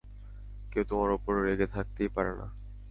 কেউ তোমার উপর রেগে, থাকতেই পারে না।